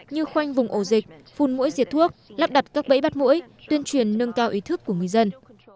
như khoanh vùng ổ dịch phun mũi diệt thuốc lắp đặt các bẫy bắt mũi tuyên truyền nâng cao ý thức của người dân